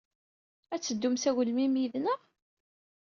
Ad teddum s agelmim yid-nneɣ?